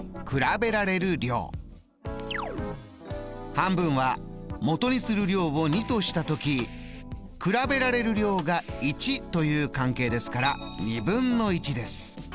半分はもとにする量を２とした時比べられる量が１という関係ですからです。